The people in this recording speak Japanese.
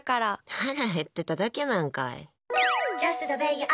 腹減ってただけなんかい。